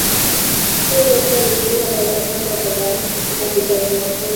tisini na sita alijiunga na wanamgambo wa baba yake katika vita vya Kongo ya